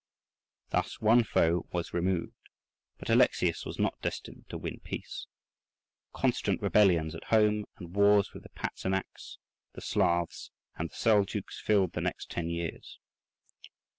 Thus one foe was removed, but Alexius was not destined to win peace. Constant rebellions at home, and wars with the Patzinaks, the Slavs, and the Seljouks filled the next ten years.